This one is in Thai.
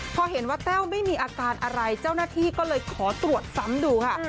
พอเห็นว่าแต้วไม่มีอาการอะไรเจ้าหน้าที่ก็เลยขอตรวจซ้ำดูค่ะ